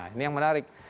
ini yang menarik